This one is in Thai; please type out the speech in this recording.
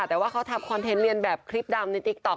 แต่ว่าเขาทำคอนเทนต์เรียนแบบคลิปดำในติ๊กต๊อ